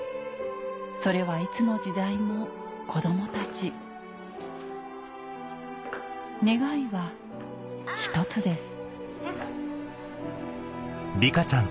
それはいつの時代も子どもたち願いは１つです